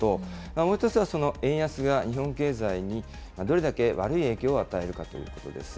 もう１つは円安が日本経済にどれだけ悪い影響を与えるかということです。